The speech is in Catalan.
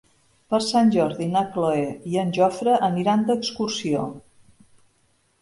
Per Sant Jordi na Cloè i en Jofre aniran d'excursió.